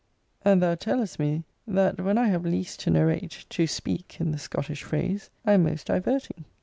And thou tellest me, that, when I have least to narrate, to speak, in the Scottish phrase, I am most diverting.